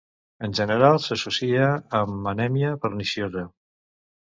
En general s'associa amb anèmia perniciosa.